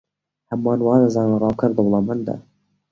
هەمووان وا دەزانن ڕاوکەر دەوڵەمەندە.